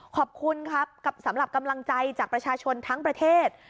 ขอบคุณครับสำหรับกำลังใจจากประชาชนทั้งประเทศ